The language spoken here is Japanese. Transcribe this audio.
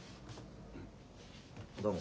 どうも。